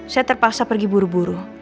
saya terpaksa pergi buru buru